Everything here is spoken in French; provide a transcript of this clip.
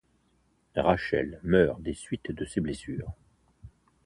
Rachel meurt des suites de ses blessures.